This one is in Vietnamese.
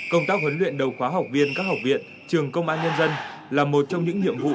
công tác huấn luyện đầu khóa học viên các học viện trường công an nhân dân là một trong những nhiệm vụ